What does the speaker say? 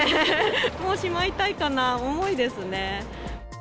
もうしまいたいかな、思いですね。